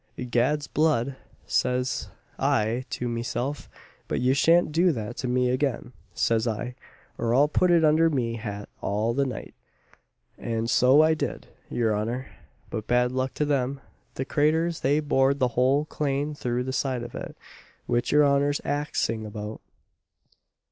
Gad's blood, says I to meself, but ye shan't do that to me again, says I, for I'll put it under me hat all the night; and so I did, your honour; but bad luck to them, the craturs, they bored the hole clane through the side of it, which your honour's axing about."